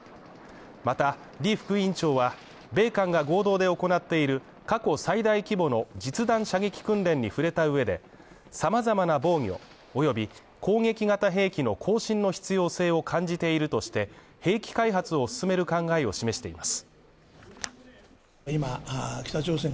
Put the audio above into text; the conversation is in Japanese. また、リ副委員長は米韓が合同で行っている過去最大規模の実弾射撃訓練に触れた上で、様々な防御および攻撃型兵器の更新の必要性を感じているとして兵器開発を進める考えを示しています。